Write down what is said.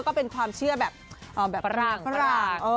ก็เป็นความเชื่อแบบฝรั่ง